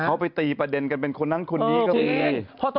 เขาไปตีประเด็นกันเป็นคนนั้นคนนี้ก็มี